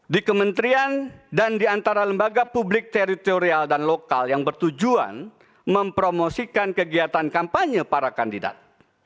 di kementerian dan di antara lembaga publik teritorial dan lokal yang bertujuan mempromosikan kegiatan kampanye para kandidat